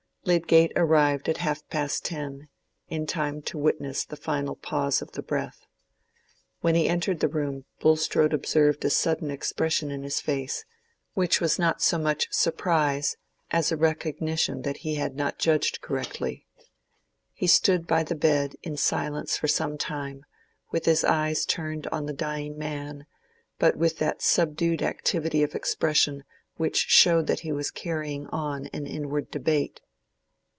Lydgate arrived at half past ten, in time to witness the final pause of the breath. When he entered the room Bulstrode observed a sudden expression in his face, which was not so much surprise as a recognition that he had not judged correctly. He stood by the bed in silence for some time, with his eyes turned on the dying man, but with that subdued activity of expression which showed that he was carrying on an inward debate.